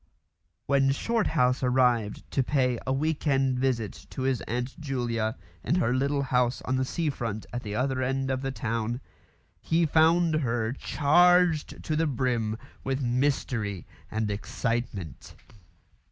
When Shorthouse arrived to pay a "week end" visit to his Aunt Julia in her little house on the sea front at the other end of the town, he found her charged to the brim with mystery and excitement.